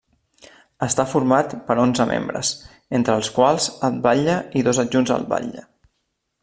Està format per onze membres, entre els quals el batlle i dos adjunts al batlle.